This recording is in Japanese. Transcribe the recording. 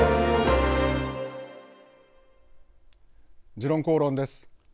「時論公論」です。